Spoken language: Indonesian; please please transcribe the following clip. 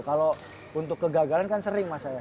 kalau untuk kegagalan kan sering mas saya